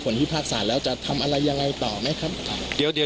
แผ่นก็หลังจากนี้ว่าคลาแบบนี้ก็จะทำยังไงต่อ